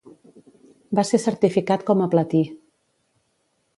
Va ser certificat com a platí.